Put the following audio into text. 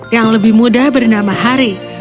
yang lebih muda bernama harry